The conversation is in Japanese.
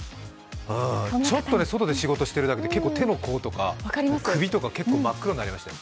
ちょっと外で仕事してるだけで首の辺とか真っ黒になりましたよ。